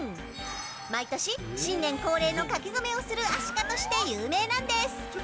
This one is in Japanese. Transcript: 毎年、新年恒例の書き初めをするアシカとして有名なんです。